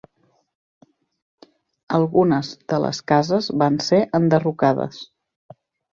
Algunes de les cases van ser enderrocades.